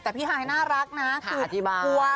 แต่พี่ไฮน่ารักนะ